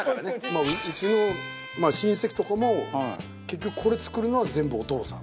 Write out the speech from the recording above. まあうちの親戚とかも結局これ作るのは全部お父さん。